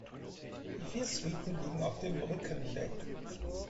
Die vier Suiten liegen auf dem „Brücken“-Deck.